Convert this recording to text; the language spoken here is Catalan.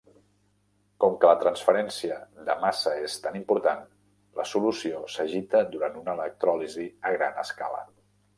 Com que la transferència de massa és tan important, la solució s'agita durant una electròlisi a gran escala.